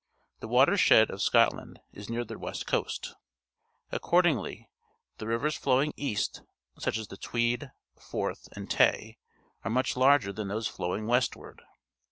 The water shed of Scotland is near the west coast. Accordingly, the rivers fiowmg east, such as the Tweedj_ Forth, and Tay,^ are much larger than tHose^flowing westward.